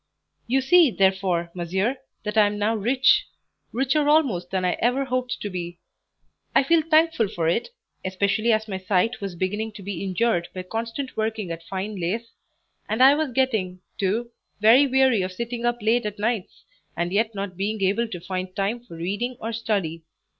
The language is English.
"You see, therefore, monsieur, that I am now rich; richer almost than I ever hoped to be: I feel thankful for it, especially as my sight was beginning to be injured by constant working at fine lace; and I was getting, too, very weary of sitting up late at nights, and yet not being able to find time for reading or study.